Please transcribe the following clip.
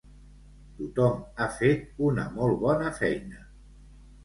Tothom ha fet una molt bona feina.